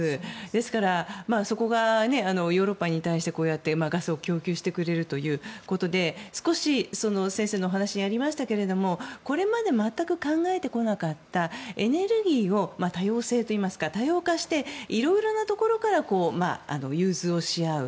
ですから、そこがヨーロッパに対してこうやってガスを供給してくれるということで少し先生のお話にありましたけどこれまで全く考えてこなかったエネルギーの多様性といいますか多様化していろいろなところから融通をし合う。